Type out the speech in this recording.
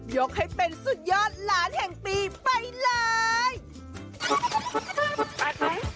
ยกให้เป็นสุดยอดหลานแห่งปีไปเลย